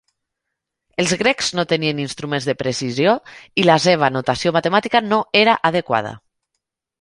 Els grecs no tenien instruments de precisió i la seva notació matemàtica no era adequada.